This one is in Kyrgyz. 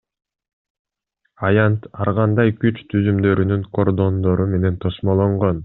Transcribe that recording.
Аянт ар кандай күч түзүмдөрүнүн кордондору менен тосмолонгон.